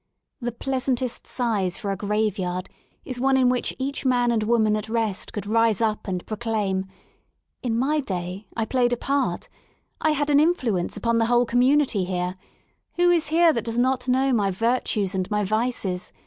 ^— the pleasantest size for a graveyard is one in which each man and woman at rest could rise up and proclaim: '* In my day I played a part I had an influence upon the whole community here* Who is here that does not know my virtues and my vices?